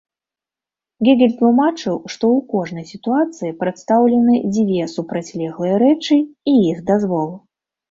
Гегель тлумачыў, што ў кожнай сітуацыі прадстаўлены дзве супрацьлеглыя рэчы і іх дазвол.